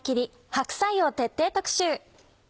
白菜を徹底特集。